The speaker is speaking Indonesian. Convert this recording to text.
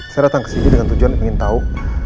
saya datang ke sini dengan tujuan ingin tahu